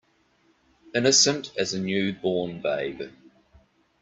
Innocent as a new born babe.